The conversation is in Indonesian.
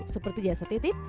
seperti jasa titik